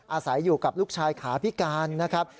อาศัยอยู่กับลูกชายขาพิการนะครับ